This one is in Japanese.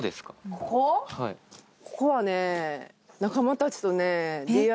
ここはね。